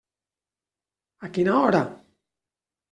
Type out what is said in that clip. A quina hora?